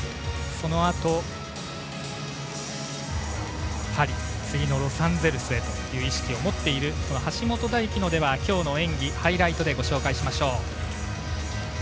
そのあと、パリ次のロサンゼルスへという意識を持っている橋本大輝、今日の演技をハイライトでご紹介します。